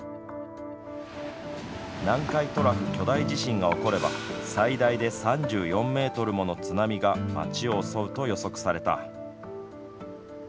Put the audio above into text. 南海トラフ巨大地震が起これば最大で３４メートルもの津波が町を襲うと予測された。